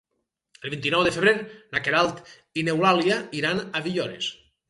El vint-i-nou de febrer na Queralt i n'Eulàlia iran a Villores.